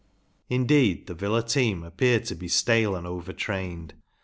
Indeed, the Villa team appeared to be stale and over trained.